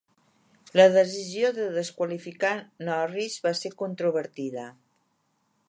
La decisió de desqualificar Norris va se controvertida.